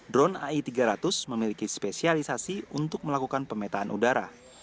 drone ai tiga ratus memiliki spesialisasi untuk melakukan pemetaan udara